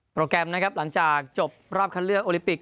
แกรมนะครับหลังจากจบรอบคันเลือกโอลิปิก